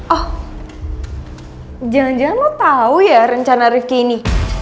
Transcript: oh jangan jangan lo tahu ya rencana rifki ini